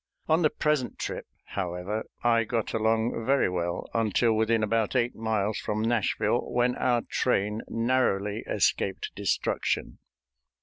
On the present trip, however, I got along very well until within about eight miles from Nashville, when our train narrowly escaped destruction.